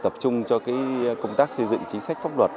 tập trung cho công tác xây dựng chính sách pháp luật